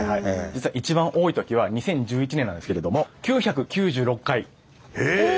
実は一番多いときは２０１１年なんですけれどもえ。